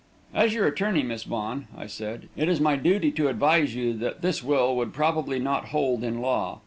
"As your attorney, Miss Vaughan," I said, "it is my duty to advise you that this will would probably not hold in law.